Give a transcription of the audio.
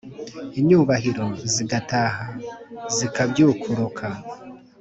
inyúbahiro zigataha zikabyúkuruka